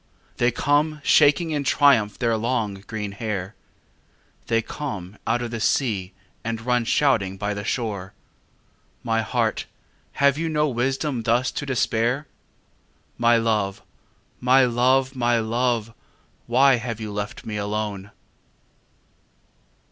They come shaking in triumph their long, green hair: They come out of the sea and run shouting by the shore. My heart, have you no wisdom thus to despair? My love, my love, my love, why have you left me alone?